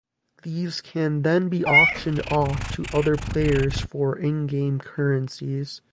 These can then be auctioned off to other players for in-game currencies.